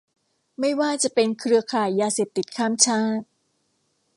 ไม่ว่าจะเป็นเครือข่ายยาเสพติดข้ามชาติ